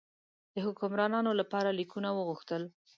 د حکمرانانو لپاره لیکونه وغوښتل.